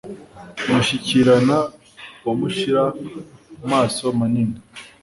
Mushyikirana wa Mushyira-maso manini